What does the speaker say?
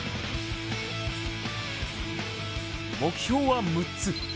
目標は６つ